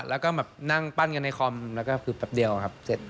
แล้วก็แบบนั่งปั้นกันในคอมแล้วก็คือแป๊บเดียวครับเสร็จ